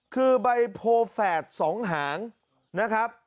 คือใบโผล่แฝดสองหางนะครับ